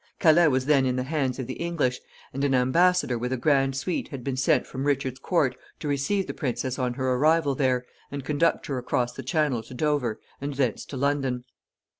Calais was then in the hands of the English, and an embassador with a grand suite had been sent from Richard's court to receive the princess on her arrival there, and conduct her across the Channel to Dover, and thence to London.